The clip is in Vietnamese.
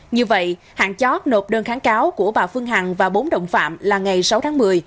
như vậy hạn chót nộp đơn kháng cáo của bà phương hằng và bốn đồng phạm là ngày sáu tháng một mươi